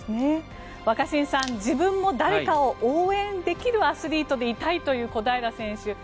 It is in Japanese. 若新さん、自分も誰かを応援できるアスリートでいたいという小平選手。